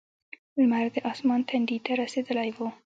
لمر د اسمان تندي ته رسېدلی و.